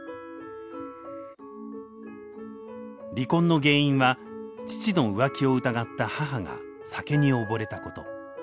離婚の原因は父の浮気を疑った母が酒に溺れたこと。